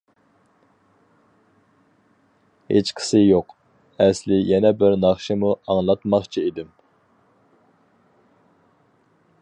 -ھېچقىسى يوق، ئەسلى يەنە بىر ناخشىمۇ ئاڭلاتماقچى ئىدىم.